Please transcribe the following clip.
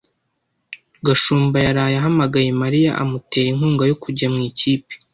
Gashumba yaraye ahamagaye Mariya amutera inkunga yo kujya mu ikipe.